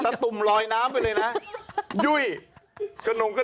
ละตุ่มลอยน้ำไปเลยนะ